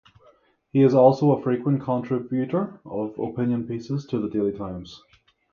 He is also a frequent contributor of opinion pieces to the Daily Times.